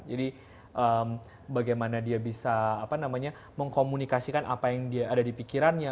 jadi bagaimana dia bisa apa namanya mengkomunikasikan apa yang dia ada di pikirannya